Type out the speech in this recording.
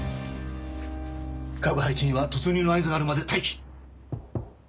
各配置員は突入の合図があるまで待機。